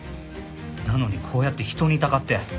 なのにこうやって人にたかって。